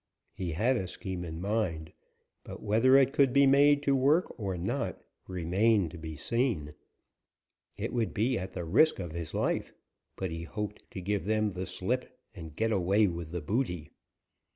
He had a scheme in mind, but whether it could be made to work or not remained to be seen. It would be at the risk of his life, but he hoped to give them the slip and get away with the booty.